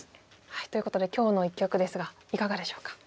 ということで今日の一局ですがいかがでしょうか？